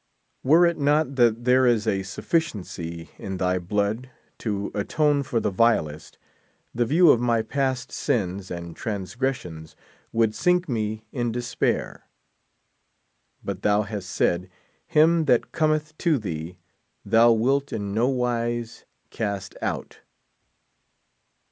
Were it not that there is a sufficiency in thy blood to atone for the vilest, the view of m}' past sins and transgressions would sink me in despair. But thou hast said, him that Cometh to thee thou wilt in no wise cast out.